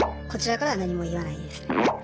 こちらからは何も言わないですね。